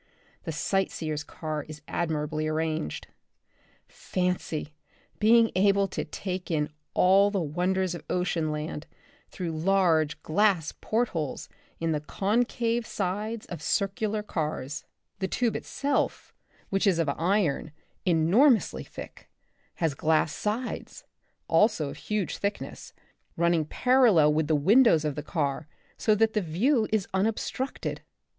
The sight seers' car is admirably arranged. Fancy being able to take in all the wonders of ocean land through large glass port holes in the concave sides of circular cars. The tube itself, which is of iron, enormously thick, has glass sides, also of huge thickness, running parallel with the windows of the car so that the view is unobstructed.